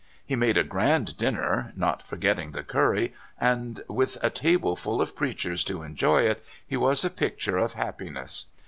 He made a grand dinner, not forgetting the curry, and w^ith a table full of preachers to enjoy it he was a picture of happi ness.